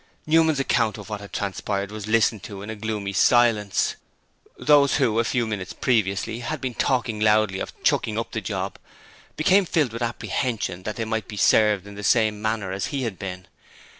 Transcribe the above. Newman's account of what had transpired was listened to in gloomy silence. 'Those who a few minutes previously had been talking loudly of chucking up the job became filled with apprehension that they might be served in the same manner as he had been.